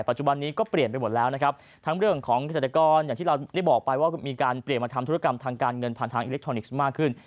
จุบันนี้ก็เปลี่ยนไปหมดแล้วนะครับทั้งเรื่องของเกษตรกรอย่างที่เราได้บอกไปว่ามีการเปลี่ยนมาทำธุรกรรมทางการเงินผ่านทางอิเล็กทรอนิกส์มากขึ้น